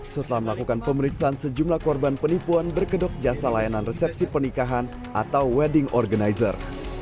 setelah melakukan pemeriksaan sejumlah korban penipuan berkedok jasa layanan resepsi pernikahan atau wedding organizer